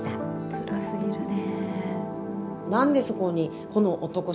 つらすぎるね。